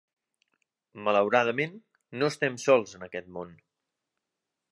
Malauradament, no estem sols en aquest món.